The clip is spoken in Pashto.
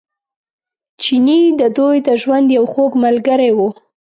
چیني د دوی د ژوند یو خوږ ملګری و.